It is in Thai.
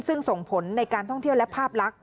ซึ่งส่งผลในการท่องเที่ยวและภาพลักษ